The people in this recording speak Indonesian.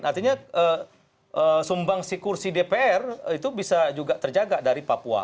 artinya sumbangsi kursi dpr itu bisa juga terjaga dari papua